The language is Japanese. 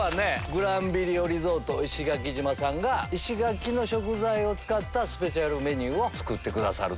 グランヴィリオリゾート石垣島さんが石垣の食材を使ったスペシャルメニューを作ってくださる。